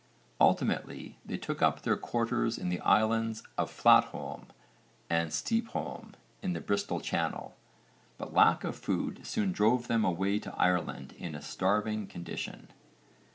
Ultimately they took up their quarters in the islands of Flatholme and Steepholme in the Bristol Channel, but lack of food soon drove them away to Ireland in a starving condition.